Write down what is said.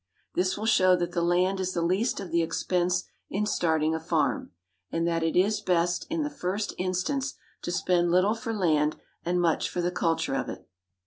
This will show that the land is the least of the expense in starting a farm; and that it is best, in the first instance, to spend little for land, and much for the culture of it.